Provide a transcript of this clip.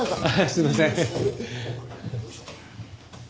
すいません。